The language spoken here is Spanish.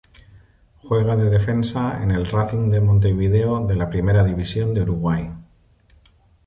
Juega de defensa en el Racing de Montevideo de la Primera División de Uruguay.